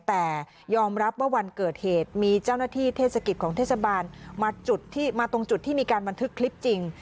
แต่ยอมรับว่าวันเกิดเหตุมีเจ้าหน้าที่เทศกิจของเทศบาลมาจุดที่มาตรงจุดที่มีการบันทึกคลิปจริง